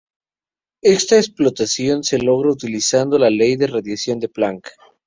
Esta extrapolación se logra utilizando la ley de radiación de Planck.